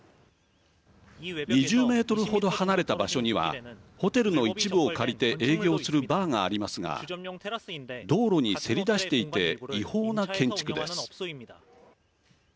２０メートル程離れた場所にはホテルの一部を借りて営業するバーがありますが道路にせり出していて違法な建築です。